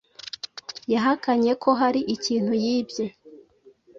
yahakanye ko hari ikintu yibye.